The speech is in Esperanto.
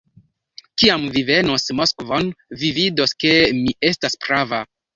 Kiam vi venos Moskvon, vi vidos, ke mi estas prava.